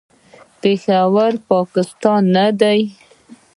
پېښور، پاکستان نه دی.